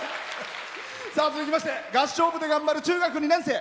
続きまして合唱部で頑張る中学２年生。